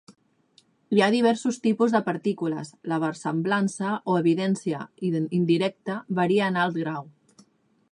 Hi ha diversos tipus de partícules, la versemblança o evidència indirecta varia en alt grau.